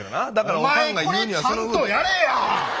お前これちゃんとやれや！